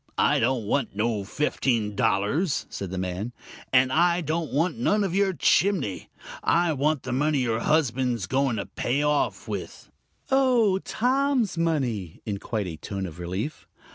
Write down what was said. "I don't want no fifteen dollars," said the man; "and I don't want none of your chinning. I want the money your husband's going to pay off with " "Oh, Tom's money!" in quite a tone of relief.